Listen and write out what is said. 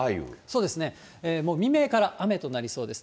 そうですね、もう未明から雨となりそうです。